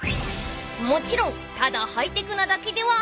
［もちろんただハイテクなだけではありません］